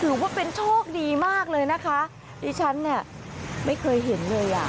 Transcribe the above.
ถือว่าเป็นโชคดีมากเลยนะคะดิฉันเนี่ยไม่เคยเห็นเลยอ่ะ